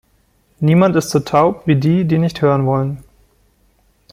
Niemand ist so taub wie die, die nicht hören wollen.